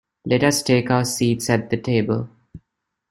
Let us take our seats at the table.